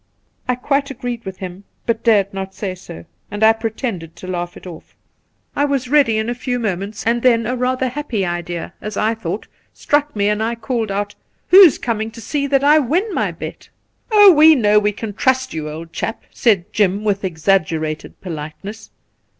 I quite agreed with him, but dared not say so, and I pretended to laugh it off. I was ready in a 12 178 The Pool few moments, and then a rather happy idea, as I thought, struck me, and I called out : 'Who's coming to see that I win my bet V ' Oh, we know we can trust you, old chap !' said Jim with exaggerated politeness.